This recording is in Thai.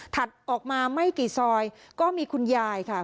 ถัดออกมาไม่กี่ซอยก็มีคุณยายค่ะ